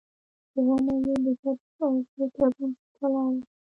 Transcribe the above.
دوهمه یې د جبر او زور پر بنسټ ولاړه ده